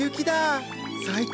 最高！